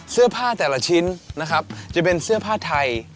เสื้อผ้าแต่ละชิ้นนะครับจะเป็นเสื้อผ้าไทย